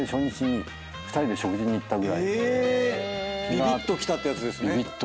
ビビッときたってやつですね。